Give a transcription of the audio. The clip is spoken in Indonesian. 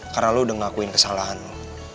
karena lo udah ngakuin kesalahan lo